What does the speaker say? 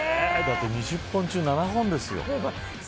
２０本中７本ですよ。